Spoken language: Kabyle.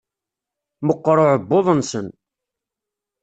Meqqer uɛebbuḍ-nsen.